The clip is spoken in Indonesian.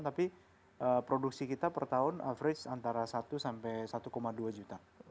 tapi produksi kita per tahun average antara satu sampai satu dua juta